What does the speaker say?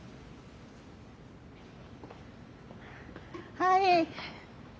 はい。